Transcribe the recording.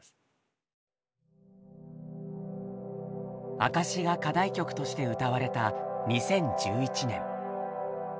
「証」が課題曲として歌われた２０１１年。